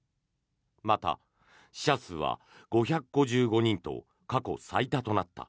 また、死者数は５５５人と過去最多となった。